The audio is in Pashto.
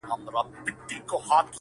ممتازه شپه په شپه عابد، زاهد شي هغه سړی